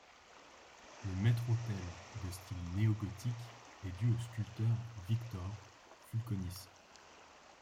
Le maître-autel, de style néogothique, est dû au sculpteur Victor Fulconis.